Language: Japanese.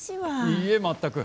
いいえ、全く。